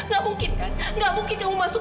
gak mungkin kan gak mungkin kamu masuk